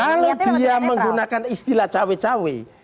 kalau dia menggunakan istilah cewek cewek